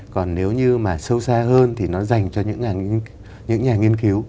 còn nếu như mà sâu xa hơn thì nó dành cho những nhà nghiên cứu